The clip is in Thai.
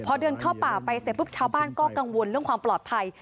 พอเดินเข้าป่าไปเสร็จปุ๊บชาวบ้านก็กังวลเรื่องความปลอดภัย